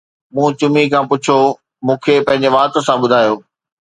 مون چمي کان پڇيو، مون کي پنهنجي وات سان ٻڌايو